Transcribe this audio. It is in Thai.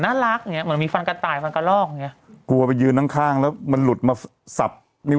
น่ารักนี่เหมือนมีฟันกระต่ายกจะลองอย่างนี้กลัวไปยืนข้างแล้วมันหลุดมาสับนิ้ว